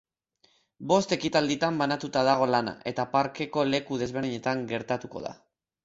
Bost ekitalditan banatuta dago lana, eta parkeko leku desberdinetan gertatuko da.